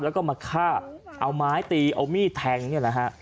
แล้วก็มาฆ่าเอาไม้ตีเอามีดแทงเนี่ยแหละฮะ